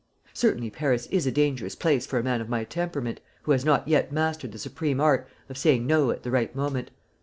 Certainly, Paris is a dangerous place for a man of my temperament, who has not yet mastered the supreme art of saying no at the right moment.